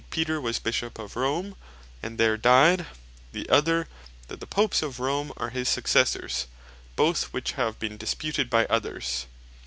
Peter was Bishop of Rome, and there dyed: The other, that the Popes of Rome are his Successors. Both which have been disputed by others.